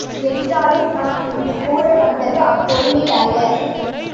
என்றாலும், நான் இங்கு கூறவந்தது அப்பொருளில் அல்ல.